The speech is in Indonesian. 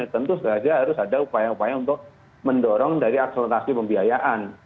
tentu saja harus ada upaya upaya untuk mendorong dari akselerasi pembiayaan